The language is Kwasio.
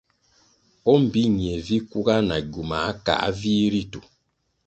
O mbpi ñie vi kuga na gywumā kāa vih ritu.